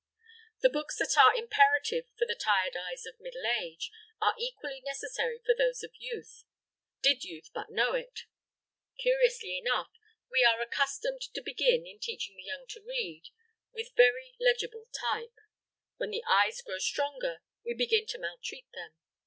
The books that are imperative for the tired eyes of middle age, are equally necessary for those of youth did youth but know it. Curiously enough, we are accustomed to begin, in teaching the young to read, with very legible type. When the eyes grow stronger, we begin to maltreat them.